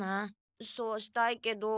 そうしたいけど。